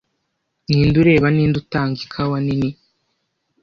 Ninde ureba ninde utanga ikawa nini